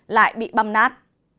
lại bị băm nát